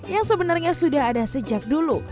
yang sebenarnya sudah ada sejak dulu